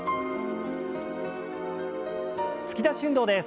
突き出し運動です。